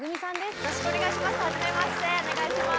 よろしくお願いします。